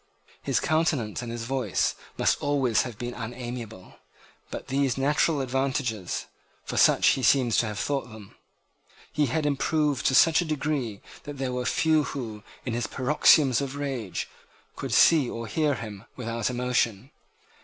His countenance and his voice must always have been unamiable. But these natural advantages, for such he seems to have thought them, he had improved to such a degree that there were few who, in his paroxysms of rage, could see or hear him without emotion.